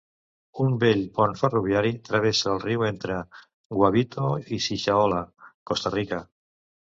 Un vell pont ferroviari travessa el riu entre Guabito i Sixaola, Costa Rica.